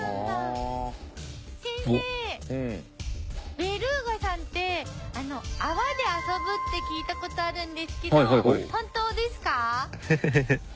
ベルーガさんって泡で遊ぶって聞いた事あるんですけど本当ですか？